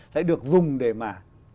đã được dùng để mà